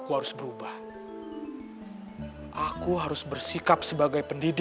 gaada pelaut ulung lahir dari samuda yang tenang